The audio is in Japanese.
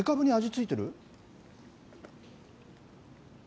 聞いてる？